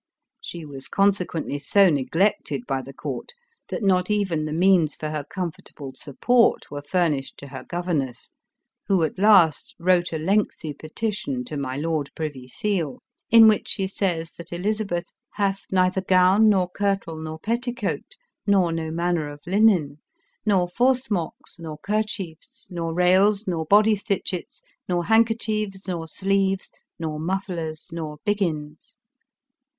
She was conse quently so neglected by the court that not even the means for her comfortable support were furnished to her governess, who at last wrote a lengthy petition to " my lord Privy Seal," in which she says that Eliza beth " hath neither gown nor kirtle nor petticoat, nor no manner of linen — nor forsmocks, nor kerchiefs, nor rails, nor body stitchets, nor handkerchiefs, nor sleeves, nor mufflers, nor biggins."